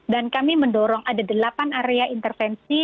dan kami mendorong ada delapan area intervensi